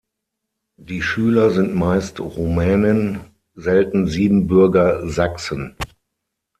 Die Schüler sind meist Rumänen, selten Siebenbürger Sachsen.